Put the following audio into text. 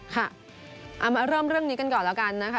ค่ะเอามาเริ่มเรื่องนี้กันก่อนแล้วกันนะคะ